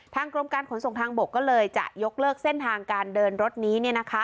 กรมการขนส่งทางบกก็เลยจะยกเลิกเส้นทางการเดินรถนี้